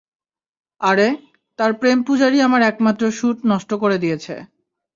আরে, তার প্রেম পূজারি আমার একমাত্র সুট নষ্ট করে দিয়েছে।